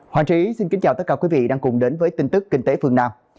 hoàng trí xin kính chào tất cả quý vị đang cùng đến với tin tức kinh tế phương nam